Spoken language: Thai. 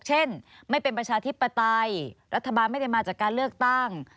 เช่นไม่เป็นประชาธิปไตยรัฐบาลไม่ได้มาจากการเลือกตั้ง